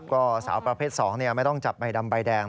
ก็สาวประเภท๒ไม่ต้องจับใบดำใบแดง